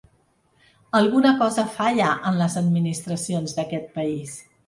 Alguna cosa falla en les administracions d’aquest país.